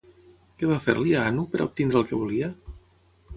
Què va fer-li a Anu per a obtenir el que volia?